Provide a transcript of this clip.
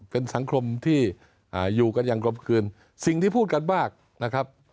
เป็นสังคมที่อยู่กันอย่างกลมกลืนสิ่งที่พูดกันมากนะครับ